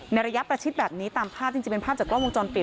ระยะประชิดแบบนี้ตามภาพจริงเป็นภาพจากกล้องวงจรปิด